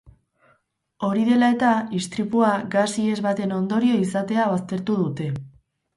Hori dela eta, istripua gas ihes baten ondorio izatea baztertu dute.